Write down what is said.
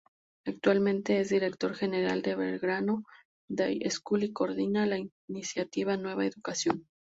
Actualmente es Director General del Belgrano Day School y coordina la iniciativa Nueva Educación.